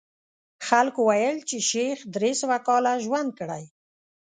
خلکو ویل چې شیخ درې سوه کاله ژوند کړی.